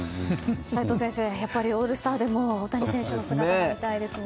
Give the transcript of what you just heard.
齋藤先生、やっぱりオールスターでも大谷選手の姿見たいですよね。